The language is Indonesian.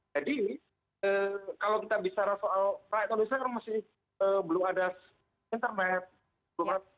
jadi kalau kita bicara soal pak eto'o bisa kan masih belum ada internet